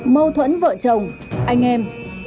mâu thuẫn vợ chồng anh em